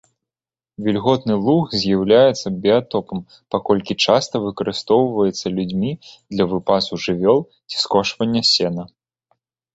Вільготны луг з'яўляецца біятопам, паколькі часта выкарыстоўваецца людзьмі для выпасу жывёл ці скошвання сена.